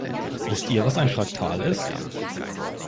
Wisst ihr, was ein Fraktal ist?